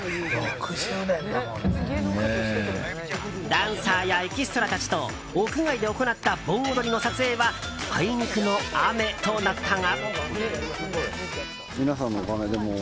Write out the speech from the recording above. ダンサーやエキストラたちと屋外で行った盆踊りの撮影はあいにくの雨となったが。